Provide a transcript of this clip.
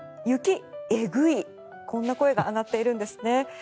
雪えぐいこんな声が上がっているんですね。